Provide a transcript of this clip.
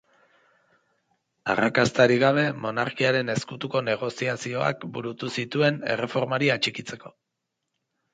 Arrakastarik gabe, monarkiarekin ezkutuko negoziazioak burutu zituen erreformari atxikitzeko.